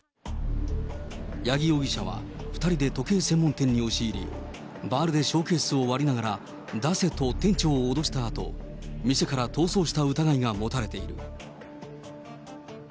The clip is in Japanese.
八木容疑者は、２人で時計専門店に押し入り、バールでショーケースを割りながら、出せと店長を脅したあと、店から逃走した疑いが持たれている。